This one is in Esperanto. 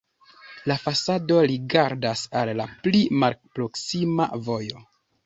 La fasado rigardas al la pli malproksima vojo.